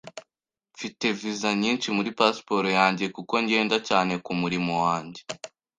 Mfite visa nyinshi muri pasiporo yanjye kuko ngenda cyane kumurimo wanjye.